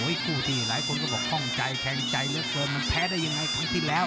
คู่ที่หลายคนก็บอกข้องใจแทงใจเหลือเกินมันแพ้ได้ยังไงครั้งที่แล้ว